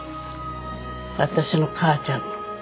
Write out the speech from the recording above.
私の母ちゃんの。